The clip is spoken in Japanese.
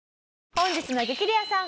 本日の激レアさん